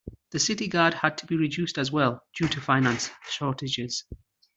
The city guard had to be reduced as well due to finance shortages.